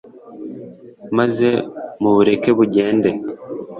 maze mubureke bugende